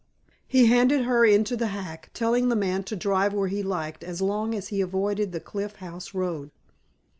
He handed her into the hack, telling the man to drive where he liked as long as he avoided the Cliff House Road.